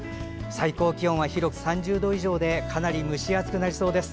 最高気温は広く３０度以上でかなり蒸し暑くなりそうです。